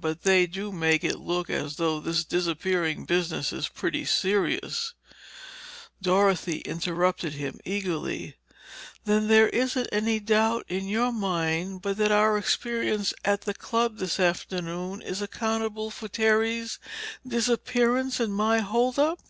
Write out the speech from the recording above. But they do make it look as though this disappearing business is pretty serious—" Dorothy interrupted him eagerly: "Then there isn't any doubt in your mind but that our experience at the club this afternoon is accountable for Terry's disappearance, and my holdup?"